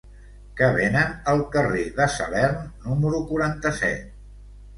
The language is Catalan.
Què venen al carrer de Salern número quaranta-set?